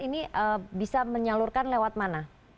ini bisa menyalurkan lewat mana